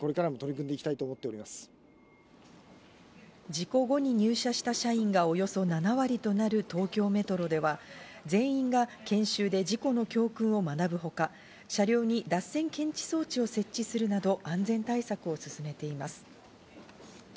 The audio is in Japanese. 事故後に入社した社員がおよそ７割となる東京メトロでは、全員が研修で事故の教訓を学ぶほか、車両に脱線検知装置を設置するなど安全対策を進めています。